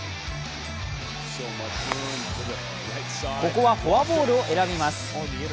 ここはフォアボールを選びます。